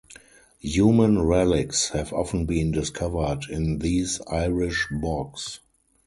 Human relics have often been discovered in these Irish bogs.